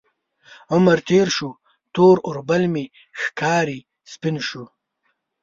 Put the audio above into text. عمر تیر شو، تور اوربل مې ښکاري سپین شو